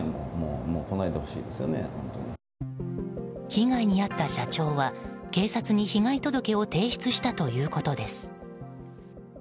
被害に遭った社長は警察に被害届を提出したということです。